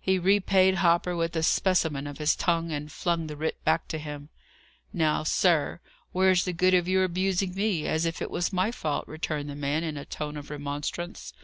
He repaid Hopper with a specimen of his tongue, and flung the writ back at him. "Now, sir, where's the good of your abusing me, as if it was my fault?" returned the man, in a tone of remonstrance.